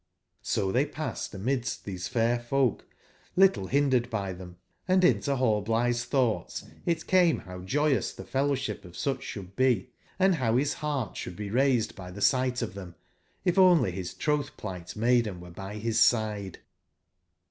Sotbcypassedamidsttbese fair folk little bindered by tbem, & into Hallblitbe's tbougbtsitcame bow joyous tbe fellowship of sucb sbould be and bow bis beart sbould be raised by tbe sight of tbem, if only bis trotb/pligbt maiden were by bis side.